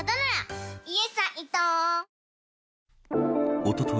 おととい